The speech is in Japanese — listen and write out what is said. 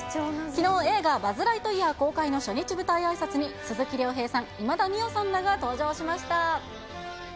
きのう、映画、バズ・ライトイヤー公開の初日舞台あいさつに、鈴木亮平さん、今田美桜さんらが登場しました。